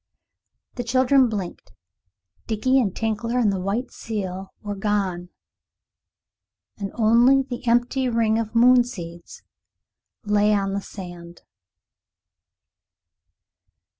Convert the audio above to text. The children blinked. Dickie and Tinkler and the white seal were gone, and only the empty ring of moon seeds lay on the sand.